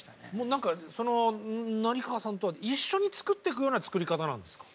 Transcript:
何かその成河さんとは一緒に作っていくような作り方なんですか？